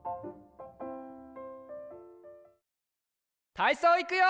たいそういくよ！